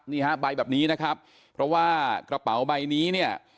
นี่ฮะใบแบบนี้นะครับเพราะว่ากระเป๋าใบนี้เนี่ย